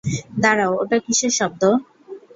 দাঁড়াও, ওটা কিসের শব্দ?